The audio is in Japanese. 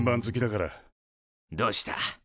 どうした？